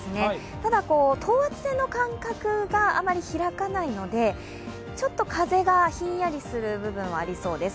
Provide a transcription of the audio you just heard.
ただ、等圧線の間隔があまり開かないのでちょっと風がひんやりする部分はありそうです。